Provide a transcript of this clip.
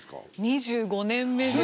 ２５年目です。